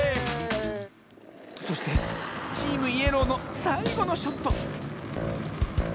そしてチームイエローのさいごのショット